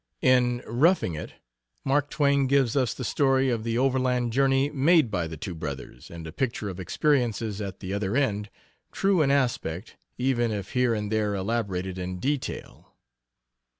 In 'Roughing It' Mark Twain gives us the story of the overland journey made by the two brothers, and a picture of experiences at the other end true in aspect, even if here and there elaborated in detail.